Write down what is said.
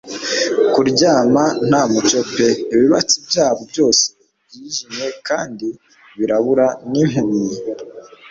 Kuryama nta mucyo pe ibibatsi byabo byose byijimye kandi birabura n'impumyi.